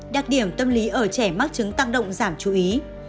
đặc điểm tâm lý ở trẻ mắc chứng tăng động giảm chú ý